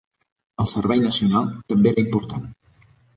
El servei nacional també era important.